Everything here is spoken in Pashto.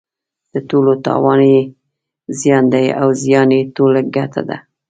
د ټولو تاوان یې زیان دی او زیان یې ټول ګټه ده.